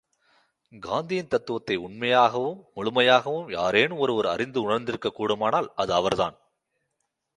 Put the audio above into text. காந்தியின் தத்துவத்தை உண்மையாகவும், முழுமையாகவும் யாரேனும் ஒருவர் அறிந்து உணர்ந்திருக்கக் கூடுமானால், அது அவர்தான்.